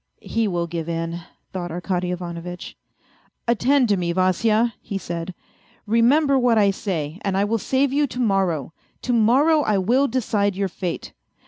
" He will give in," thought Arkady Ivanovitch. " Attend to me, Vasya," he said, " remember what I say, and I will save you to morrow ; to morrow I will decide your fate